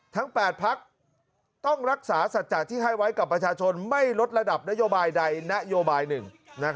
ทั้ง๘พักต้องรักษาสัจจะที่ให้ไว้กับประชาชนไม่ลดระดับนโยบายใดนโยบายหนึ่ง